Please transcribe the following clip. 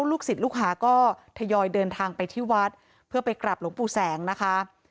ลูกศิษย์ลูกหาก็ทยอยเดินทางไปที่วัดเพื่อไปกลับหลวงปู่แสงนะคะ